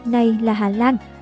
nay là hà lan